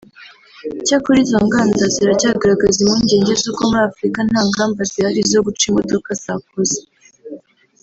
Icyakora izo nganda ziracyagaragaza impungenge z’uko muri Afurika nta ngamba zihari zo guca imodoka zakoze